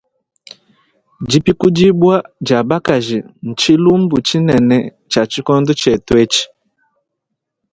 Dipikudibua dia bakaji ntshilumbu tshinene tshia tshikondo tshietu etshi.